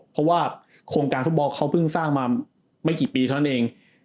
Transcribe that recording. เพราะว่าโครงการฟุตบอลเขาเพิ่งสร้างมาไม่กี่ปีเท่านั้นเอง